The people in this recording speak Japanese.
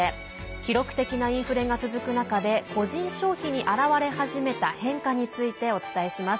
記録的なインフレが続く中で個人消費に現れ始めた変化について、お伝えします。